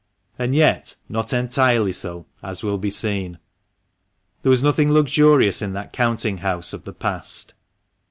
And yet not entirely so, as will be seen. There was nothing luxurious in that counting house of the past.